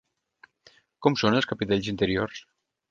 Com són els capitells interiors?